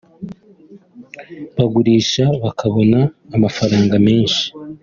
bagurisha bakabona amafaranga menshi